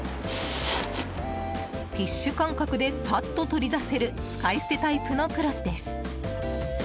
ティッシュ感覚でサッと取り出せる使い捨てタイプのクロスです。